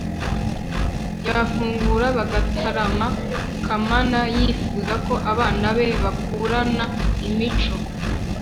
gufungura bagatarama kamana yifuza ko abana be bakurana imico